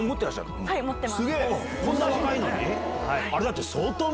こんな若いのに！